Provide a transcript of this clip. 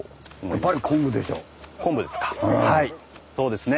そうですね